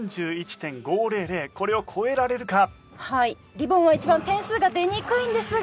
リボンは一番点数が出にくいんですが。